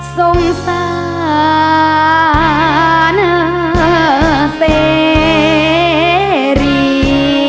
สงสาราเสรี